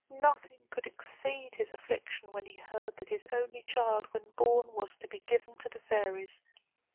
Nothing could exceed his affliction, when he heard that his only child, when born, was to be given to the fairies.